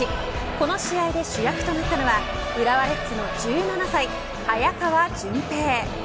この試合で主役となったのは浦和レッズの１７歳、早川隼平。